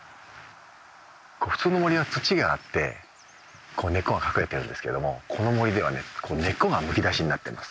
普通の森は土があって根っこが隠れてるんですけどもこの森ではね根っこがむき出しになってます。